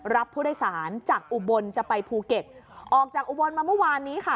รับผู้โดยสารจากอุบลจะไปภูเก็ตออกจากอุบลมาเมื่อวานนี้ค่ะ